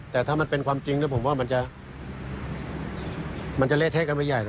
แต่ถ้ามันเป็นความจริงแล้วผมว่ามันจะเละเทะกันไปใหญ่